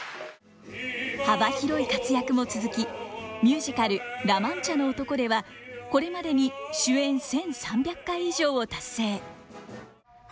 幅広い活躍も続きミュージカル「ラ・マンチャの男」ではこれまでに主演１，３００回以上を達成。